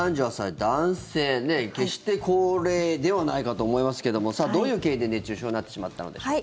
決して高齢ではないかと思いますけどもどういう経緯で熱中症になってしまったのでしょうか。